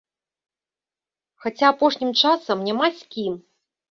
Хаця апошнім часам няма з кім.